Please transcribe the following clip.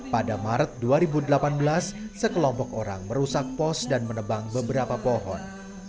pada maret dua ribu delapan belas sekelompok orang merusak pos dan menebang beberapa pohon